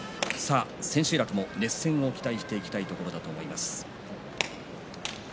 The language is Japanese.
千秋楽も熱戦を期待していきたいところだと思います。